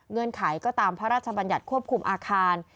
ไขก็ตามพระราชบัญญัติควบคุมอาคาร